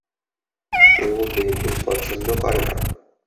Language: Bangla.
ও বেগুন পছন্দ করে না।